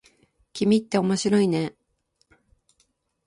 君って面白いね。